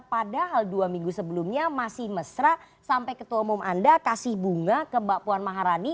padahal dua minggu sebelumnya masih mesra sampai ketua umum anda kasih bunga ke mbak puan maharani